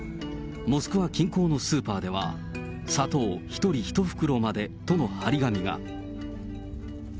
モスクワ近郊のスーパーでは、砂糖１人１袋までとの貼り紙が。